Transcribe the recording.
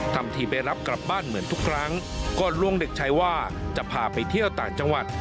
ทำทีไปรับกลับบ้านเหมือนทุกครั้งก่อนล่วงดึกใช้ว่าจะพาไปเที่ยวต่างจังหวัด